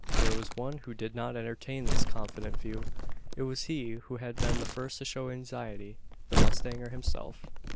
There was one who did not entertain this confident view. It was he who had been the first to show anxiety the mustanger himself.